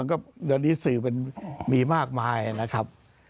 ตอนนี้สื่อมันมีมากมายนะครับ